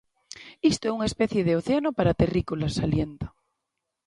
Isto é unha especie de océano para terrícolas, salienta.